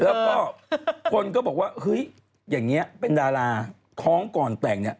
แล้วก็คนก็บอกว่าเฮ้ยอย่างนี้เป็นดาราท้องก่อนแต่งเนี่ย